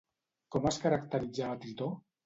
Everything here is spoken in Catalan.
Com es caracteritzava Tritó?